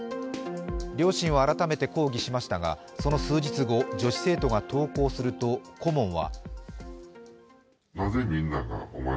両親は改めて抗議しましたがその数日後、女子生徒が登校すると顧問は。